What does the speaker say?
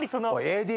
ＡＤ？